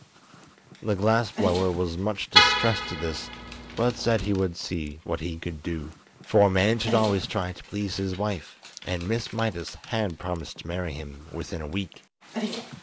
The glass blower was much distressed at this, but said he would see what he could do. For a man should always try to please his wife, and Miss Mydas has promised to marry him within a week.